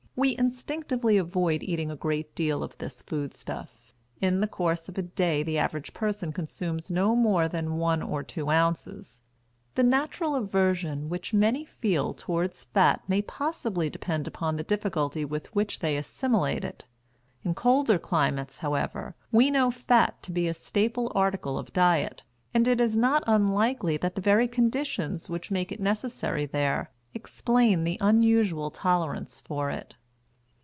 We instinctively avoid eating a great deal of this food stuff; in the course of a day the average person consumes no more than one or two ounces. The natural aversion which many feel toward fat may possibly depend upon the difficulty with which they assimilate it. In colder climates, however, we know fat to be a staple article of diet; and it is not unlikely that the very conditions which make it necessary there explain the unusual tolerance for it.